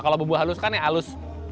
kalau bumbu halus kan ya halus